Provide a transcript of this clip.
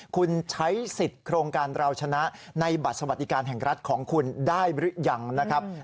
คุณใช้สิทธิ์โครงการเราชนะในบัตรสวัสดิการแห่งรัฐของคุณได้หรือยังนะครับ